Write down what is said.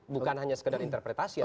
bukan hanya sekedar interpretasi